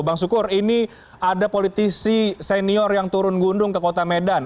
bang sukur ini ada politisi senior yang turun gundung ke kota medan